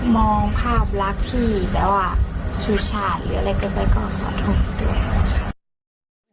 มองภาพรักที่แบบว่าชูชาติหรืออะไรก็ไปก็โทษด้วย